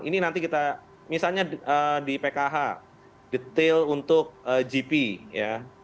ini nanti kita misalnya di pkh detail untuk gp ya